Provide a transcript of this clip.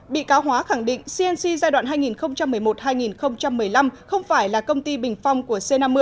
bị cáo hóa khẳng định cnc giai đoạn hai nghìn một mươi một hai nghìn một mươi năm không phải là công ty bình phong của c năm mươi